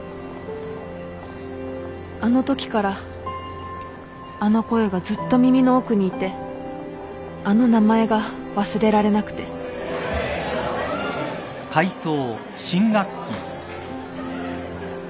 あの時からあの声がずっと耳の奥にいてあの名前が忘れられなくて想。